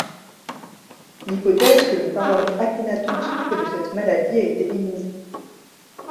L'hypothèse que le pharaon Akhénaton souffrait de cette maladie a été émise.